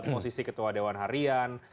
posisi ketua dewan harian